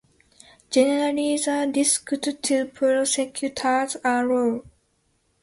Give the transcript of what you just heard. Generally, the risks to prosectors are low.